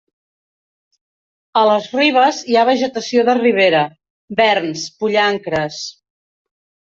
A les ribes hi ha vegetació de ribera: verns, pollancres.